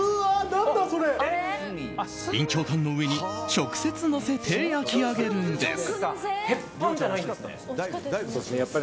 備長炭の上に直接のせて焼き上げるんです。